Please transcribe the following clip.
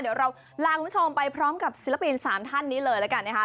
เดี๋ยวเราลาคุณผู้ชมไปพร้อมกับศิลปิน๓ท่านนี้เลยแล้วกันนะคะ